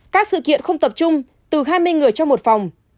các sự kiện không tập trung từ hai mươi người trong một phòng